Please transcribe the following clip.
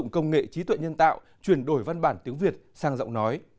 công nghệ trí tuệ nhân tạo chuyển đổi văn bản tiếng việt sang giọng nói